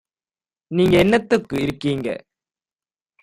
நீங்க என்னத்துக்கு இருக்கீங்க?